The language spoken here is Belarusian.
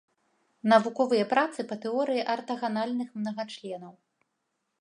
Навуковыя працы па тэорыі артаганальных мнагачленаў.